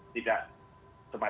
tidak semacam hal yang terjadi